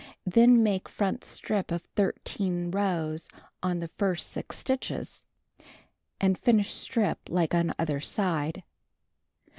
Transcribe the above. Then make front strip of 13 rows on the first 6 stitches, and finish strip like on other side.